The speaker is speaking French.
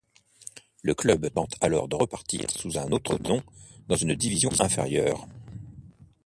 Le club tente alors de repartir sous un autre nom dans une division inférieure.